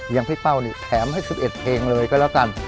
ยังเปล่านี่แถมให้๑๑เพลงเลยก็ล่ะกัน